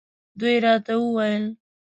دوی راته وویل.